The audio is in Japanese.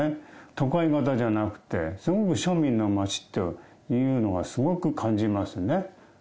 都会型じゃなくて、すごく庶民の街というのは、すごく感じますね。